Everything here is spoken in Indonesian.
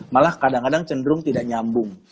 malah kadang kadang cenderung tidak nyambung